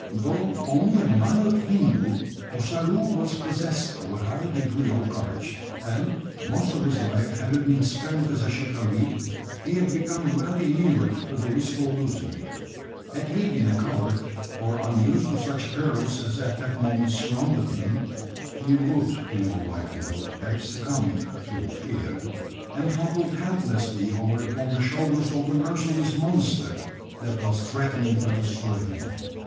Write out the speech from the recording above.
Though only a "mild Hindoo," Ossaroo was possessed of a high degree of courage; and, most of his life having been spent as a shikaree, he had become well inured to the risk of losing it. Had he been a coward, or unused to such perils as at that moment surrounded him, he would in all likelihood have succumbed through fear; and toppled helplessly over upon the shoulders of the merciless monster that was threatening to destroy him.